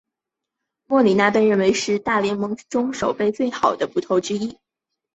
莫里纳被认为是大联盟中守备最好的捕手之一。